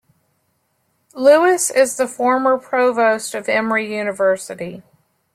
Lewis is the former Provost of Emory University.